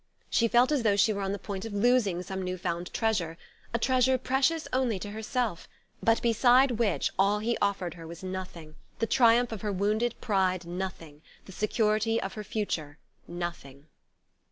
She felt as though she were on the point of losing some new found treasure, a treasure precious only to herself, but beside which all he offered her was nothing, the triumph of her wounded pride nothing, the security of her future nothing.